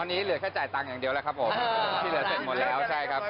อันนี้เหลือแค่จ่ายตังค์อย่างเดียวที่เหลือเสร็จหมดแล้ว